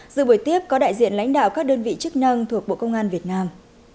dự buổi tiếp có đại diện lãnh đạo các đơn vị chức năng thuộc bộ công an việt nam